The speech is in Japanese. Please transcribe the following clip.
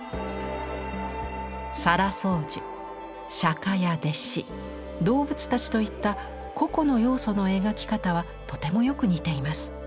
沙羅双樹釈迦や弟子動物たちといった個々の要素の描き方はとてもよく似ています。